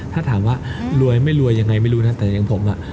ถ้าถามว่ารวยไม่รวยยังไงไม่รู้นะแต่อย่างผมอ่ะ